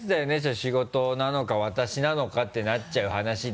仕事なのか私なのかってなっちゃう話で。